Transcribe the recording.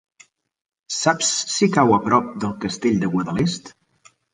Saps si cau a prop del Castell de Guadalest?